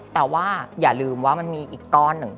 แต่ว่าอย่าลืมว่ามันมีอีกก้อนหนึ่ง